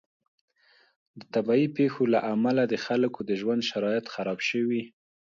د طبعي پیښو له امله د خلکو د ژوند شرایط خراب شوي.